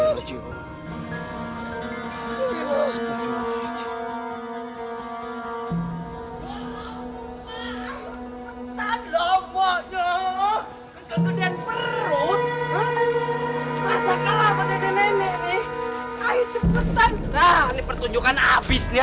nah ini pertunjukan abis nih abis nih